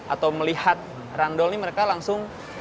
atau melihat randol ini mereka langsung